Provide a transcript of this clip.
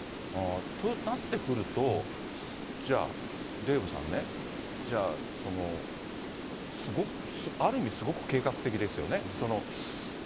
となってくると、じゃあ、デーブさんね、じゃあその、ある意味すごく計画的ですよね。